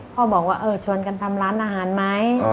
พ่อบอกว่าชวนกันทำร้านอาหารไหม